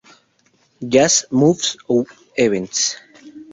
Jazz", "Moves" o "Events".